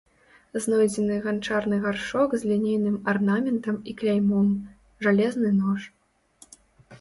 Знойдзены ганчарны гаршчок з лінейным арнаментам і кляймом, жалезны нож.